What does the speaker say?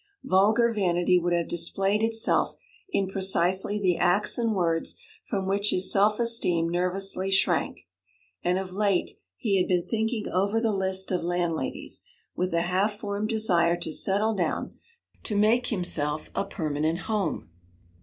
Vulgar vanity would have displayed itself in precisely the acts and words from which his self esteem nervously shrank. And of late he had been thinking over the list of landladies, with a half formed desire to settle down, to make himself a permanent home.